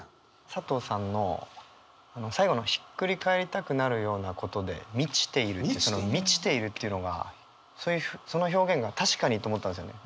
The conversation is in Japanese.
佐藤さんの最後の「ひっくり返りたくなるようなことで満ちている」ってその「満ちている」っていうのがその表現が確かにと思ったんですよね。